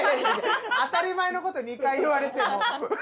当たり前のこと２回言われても。